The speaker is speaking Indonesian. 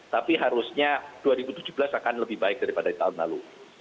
tapi harusnya dua ribu tujuh belas akan lebih baik daripada tahun lalu